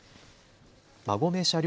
馬込車両